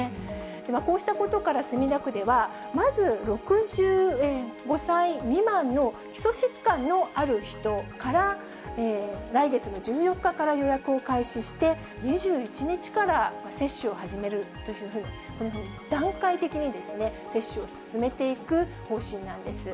こうしたことから墨田区では、まず６５歳未満の基礎疾患のある人から、来月の１４日から予約を開始して、２１日から接種を始めるというふうに、こんなふうに段階的にですね、接種を進めていく方針なんです。